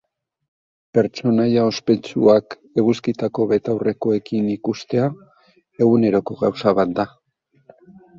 Pertsonaia ospetsuak eguzkitako betaurrekoekin ikustea eguneroko gauza bat da.